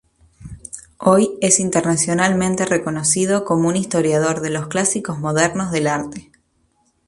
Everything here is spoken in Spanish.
Hoy es internacionalmente reconocido como un historiador de los clásicos modernos del arte.